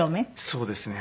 そうですね。